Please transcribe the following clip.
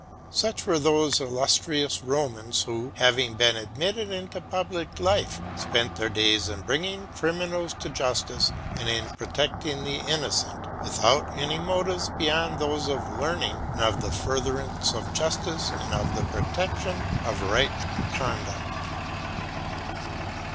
Such were those illustrious Romans who, having been admitted into public life, spent their days in bringing criminals to justice and in protecting the innocent, without any motives beyond those of learning, and of the furtherance of justice and of the protection of right conduct.